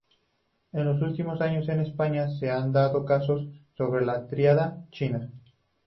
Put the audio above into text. En los últimos años, en España se han dado casos sobre la tríada china.